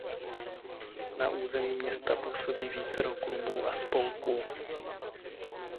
Na území města působí vícero klubů a spolků.